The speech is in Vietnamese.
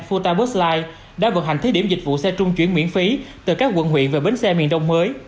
futabus ligh đã vận hành thí điểm dịch vụ xe trung chuyển miễn phí từ các quận huyện về bến xe miền đông mới